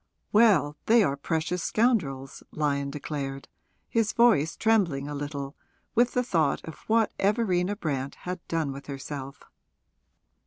'Well, they are precious scoundrels,' Lyon declared, his voice trembling a little with the thought of what Everina Brant had done with herself.